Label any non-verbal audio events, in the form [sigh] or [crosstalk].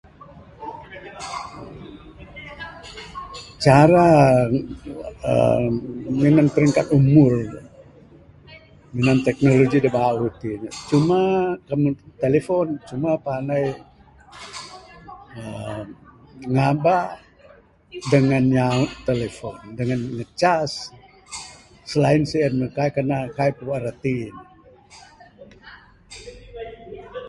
[noise] Cara, aar, minan peringkat umur, minan teknologi da bauh ti ne, cuma kan telefon, cuma pandai [noise] aar, ngaba dengan nyaut telefon, dengan ngecas. Selain sien ne, kai kenan, kai puan reti ne. [noise]